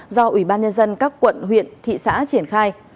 do ủy ban nhân dân các quận huyện thị xã triển khai